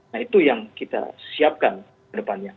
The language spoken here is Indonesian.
nah itu yang kita siapkan ke depannya